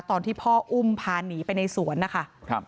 ตอนที่พ่ออุ้มพาหนีไปในสวนนะคะ